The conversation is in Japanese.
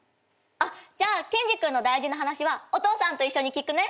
あっじゃあケンジ君の大事な話はお父さんと一緒に聞くね。